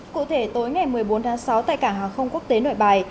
cụ thể tối ngày một mươi bốn tháng sáu tại cảng hàng không quốc tế nội bài